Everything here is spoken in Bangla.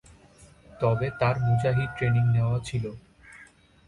তবে তার মুজাহিদ ট্রেনিং নেওয়া ছিল।